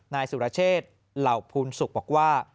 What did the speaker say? นายสุรเชษฐ์เหล่าภูมิสุขบอกว่า